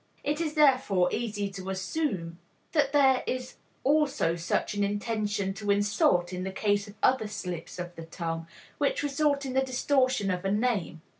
It is therefore easy to assume that there is also such an intention to insult in the case of other slips of the tongue which result in the distortion of a name.